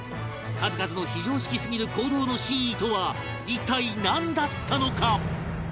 数々の非常識すぎる行動の真意とは一体なんだったのか？